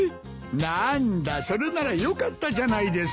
なんだそれならよかったじゃないですか。